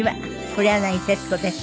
黒柳徹子です。